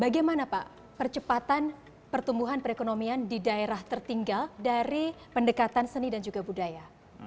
bagaimana pak percepatan pertumbuhan perekonomian di daerah tertinggal dari pendekatan seni dan juga budaya